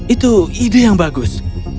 itu ide yang bagus